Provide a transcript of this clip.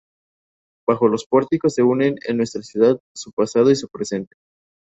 Bajo los pórticos se unen en nuestra ciudad su pasado y su presente.